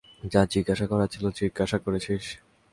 যা জিজ্ঞাসা করার ছিলো জিজ্ঞাসা করেছিস?